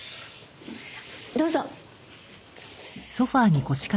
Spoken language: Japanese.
どうぞ。